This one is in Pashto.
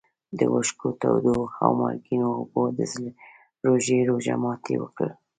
د اوښکو تودو او مالګینو اوبو د روژې روژه ماتي وکړ.